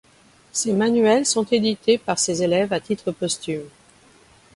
Ses manuels sont édités par ses élèves à titre posthume.